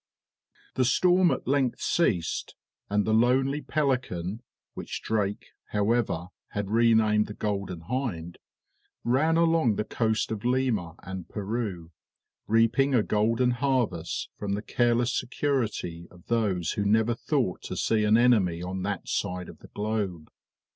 The storm at length ceased, and the lonely Pelican (which Drake, however, had renamed the Golden Hind) ran along the coast of Lima and Peru, reaping a golden harvest from the careless security of those who never thought to see an enemy on that side of the globe.